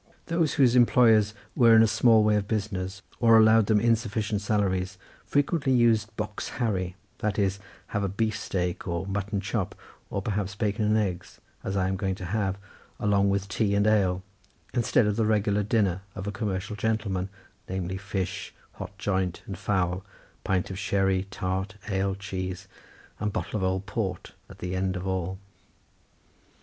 Those whose employers were in a small way of business, or allowed them insufficient salaries, frequently used to 'box Harry,' that is have a beef steak, or mutton chop, or perhaps bacon and eggs, as I am going to have, along with tea and ale instead of the regular dinner of a commercial gentleman, namely, fish, hot joint and fowl, pint of sherry, tart, ale and cheese, and bottle of old port, at the end of all."